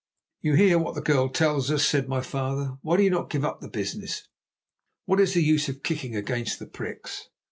"'You hear what the girl tells us,' said my father; 'why do you not give up the business? What is the use of kicking against the pricks?